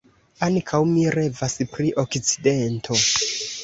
Ankaŭ mi revas pri Okcidento.